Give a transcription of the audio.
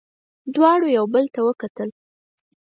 دواړو یو بل ته وکتل.